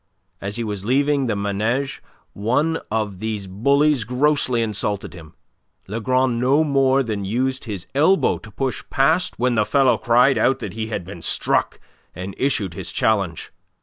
As he was leaving the Manege one of these bullies grossly insulted him. Lagron no more than used his elbow to push past when the fellow cried out that he had been struck, and issued his challenge.